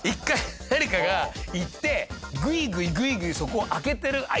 １回誰かがいってグイグイグイグイそこを空けてる。